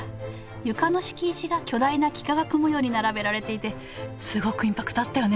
床の敷石が巨大な幾何学模様に並べられていてすごくインパクトあったよね